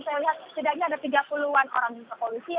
saya lihat setidaknya ada tiga puluh an orang di kepolisian